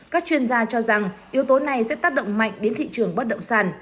các chuyên gia cho rằng yếu tố này sẽ tác động mạnh đến thị trường bất động sản